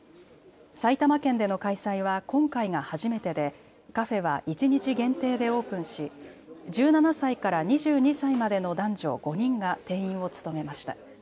埼玉県での開催は今回が初めてでカフェは一日限定でオープンし１７歳から２２歳までの男女５人が店員を務めました。